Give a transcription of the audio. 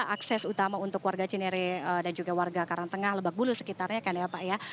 akses utama untuk warga cinere dan juga warga karangtengah lebak bulu sekitarnya kan ya pak ya